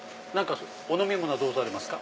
お飲み物はどうされますか？